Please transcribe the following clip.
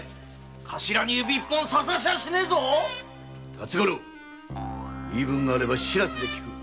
辰五郎言い分があれば白洲で聞く。